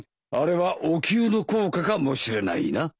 あれはおきゅうの効果かもしれないな。